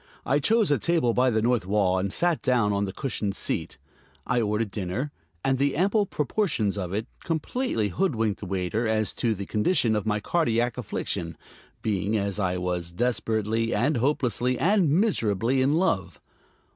I chose a table by the north wall and sat down on the cushioned seat. I ordered dinner, and the ample proportions of it completely hoodwinked the waiter as to the condition of my cardiac affliction: being, as I was, desperately and hopelessly and miserably in love.